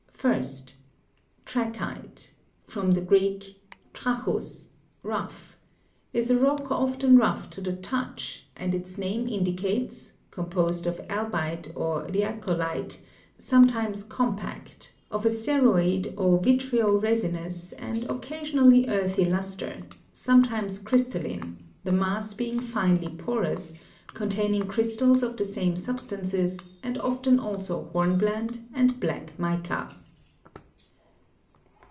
1st. 7'rdc/n/te (from the Greek trachus, rough) is a rock often rough to the touch, as its name indicates, composed of albite or rya'colite, sometimes compact, of a ceroid or vitreo resinous, and occasionally earthy lustre, sometimes crystalline, the mass being finely porous, containing crystals of the same substances, and often also hornblende and black mica.